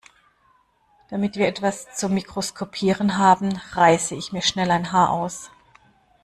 Damit wir etwas zum Mikroskopieren haben, reiße ich mir schnell ein Haar aus.